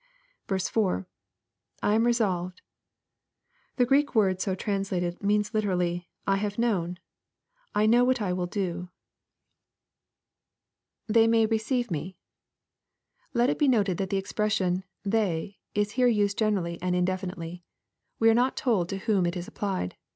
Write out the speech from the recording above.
L— [/am resolved,] The Greek word so translated means literally, '* I Ijive known." — I know what I will do. 9* 202 EXPOSITORY THOUGHTS [TTiey may receive me.] Let it be noted thai the expression " they" is here used generally and indefinitely. We are not told to whom it is applied.